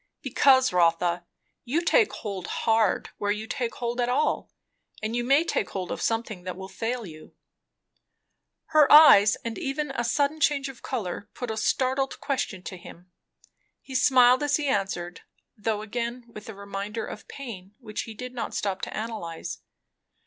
"Because, Rotha, you take hold hard, where you take hold at all; and you may take hold of something that will fail you." Her eyes, and even a sudden change of colour, put a startled question to him. He smiled as he answered, though again with a reminder of pain which he did not stop to analyse.